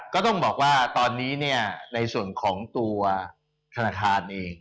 ก็ต้องบอกว่าตอนนี้เนี่ยในส่วนของตัวธนาคารเอง